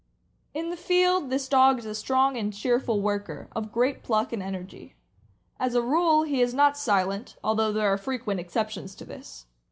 In the field this dog is a strong and cheerful worker, of great pluck and energy. As a rule he is not silent, al though there are frequent exceptions to this.